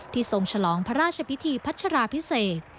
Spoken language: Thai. ทรงฉลองพระราชพิธีพัชราพิเศษ